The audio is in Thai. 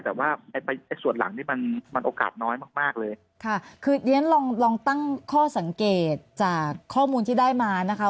แต่ว่าไอ้ส่วนหลังนี่มันมันโอกาสน้อยมากมากเลยค่ะคือเดี๋ยวฉันลองลองตั้งข้อสังเกตจากข้อมูลที่ได้มานะคะ